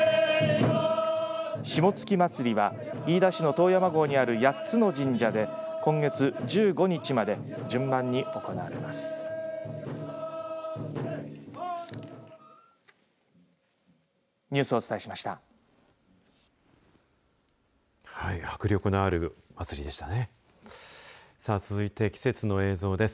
霜月祭りは飯田市の遠山郷にある８つの神社で今月１５日まで順番に行われます。